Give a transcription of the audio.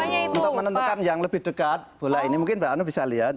untuk menentukan yang lebih dekat bola ini mungkin mbak anu bisa lihat